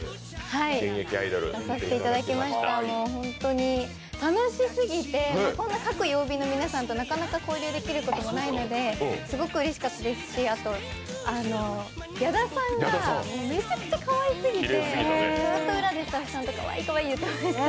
本当に楽しすぎて、各曜日の皆さんとなかなか交流できることもないのですごくうれしかったですし、あと、矢田さんがめちゃくちゃかわいすぎてずっと裏でスタッフさんとかわいい、かわいい言ってました。